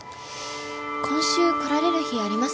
今週来られる日ありますか？